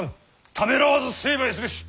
ためらわず成敗すべし！